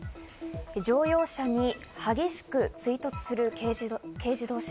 乗用車に激しく追突する軽自動車。